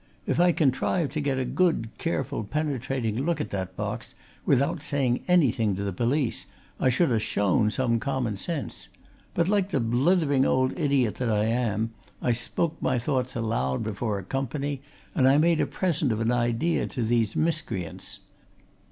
If I'd contrived to get a good, careful, penetrating look at that box, without saying anything to the police, I should ha' shown some common sense. But like the blithering old idiot that I am, I spoke my thoughts aloud before a company, and I made a present of an idea to these miscreants.